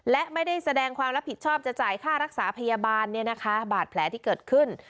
และไม่ได้แสดงความรับผิดชอบจะจ่ายค่ารักษาพยาบาลเนี่ยนะคะบาดแผลที่เกิดขึ้น